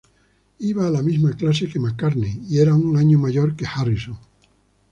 Iba a la misma clase que McCartney y era un año mayor que Harrison.